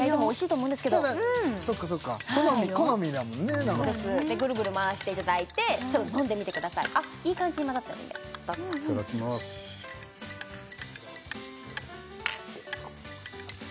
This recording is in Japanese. そうですグルグル回していただいて飲んでみてくださいいい感じに混ざったらいただきます